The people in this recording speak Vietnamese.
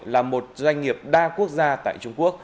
là một doanh nghiệp đa quốc gia tại trung quốc